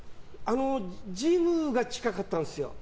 ジムが近かったんですよ。